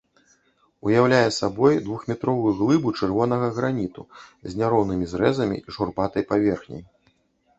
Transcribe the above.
Уяўляе сабой двухметровую глыбу чырвонага граніту з няроўнымі зрэзамі і шурпатай паверхняй.